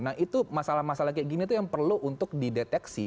nah itu masalah masalah kayak gini tuh yang perlu untuk dideteksi